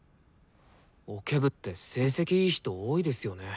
オケ部って成績いい人多いですよね。